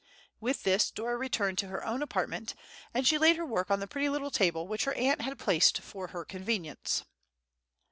With this Dora returned to her own apartment, and she laid her work on the pretty little table which her aunt had placed for her convenience.